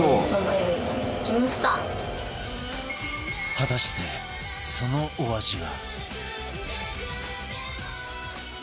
果たしてそのお味は？